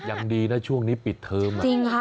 ยังดีนะช่วงนี้ปิดเทอม